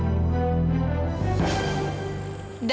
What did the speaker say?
kamu bisa lihat sendiri